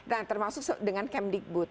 nah termasuk dengan camp digbud